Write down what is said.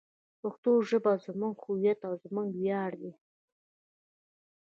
پښتو ژبه زموږ هویت او زموږ ویاړ دی.